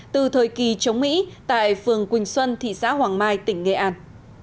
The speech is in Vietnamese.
từ thời kỳ chống mỹ tại phường quỳnh xuân thị xã hoàng mai tỉnh nghệ an